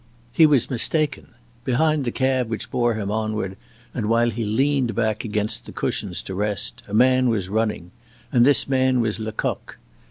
He was mistaken. Behind the cab which bore him onward, and while he leaned back against the cushions to rest, a man was running; and this man was Lecoq.